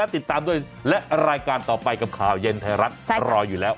ติดตามด้วยและรายการต่อไปกับข่าวเย็นไทยรัฐรออยู่แล้ว